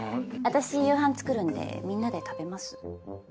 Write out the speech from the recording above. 私夕飯作るんでみんなで食べます？